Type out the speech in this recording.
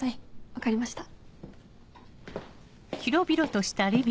分かりました。